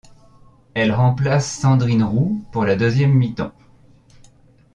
Elle remplace Sandrine Roux pour la deuxième mi-temps.